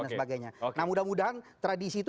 dan sebagainya nah mudah mudahan tradisi itu